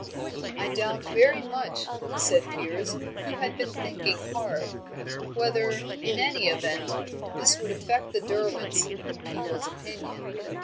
"I doubt very much," said Piers, who had been thinking hard, "whether, in any event, this would affect the Derwents in people's opinion."